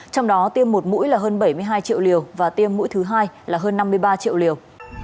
trong đó tiêm một mũi là hơn bảy mươi hai triệu liều và tiêm mũi thứ hai là hơn năm mươi ba triệu liều